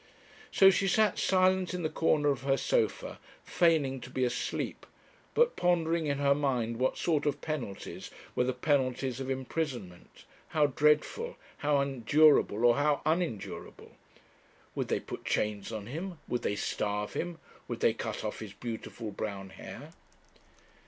So she sat silent in the corner of her sofa feigning to be asleep, but pondering in her mind what sort of penalties were the penalties of imprisonment, how dreadful, how endurable, or how unendurable. Would they put chains on him? would they starve him? would they cut off his beautiful brown hair?